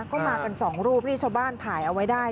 ก็มากันสองรูปที่ชาวบ้านถ่ายเอาไว้ได้